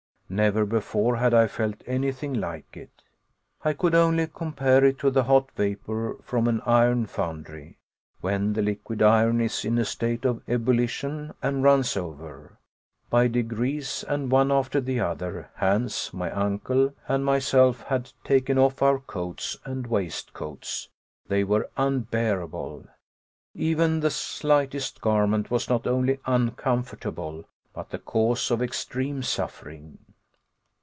Never before had I felt anything like it. I could only compare it to the hot vapor from an iron foundry, when the liquid iron is in a state of ebullition and runs over. By degrees, and one after the other, Hans, my uncle, and myself had taken off our coats and waistcoats. They were unbearable. Even the slightest garment was not only uncomfortable, but the cause of extreme suffering.